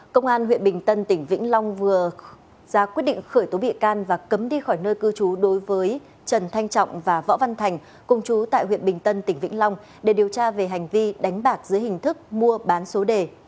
công an huyện bình tân tỉnh vĩnh long vừa ra quyết định khởi tố bị can và cấm đi khỏi nơi cư trú đối với trần thanh trọng và võ văn thành công chú tại huyện bình tân tỉnh vĩnh long để điều tra về hành vi đánh bạc dưới hình thức mua bán số đề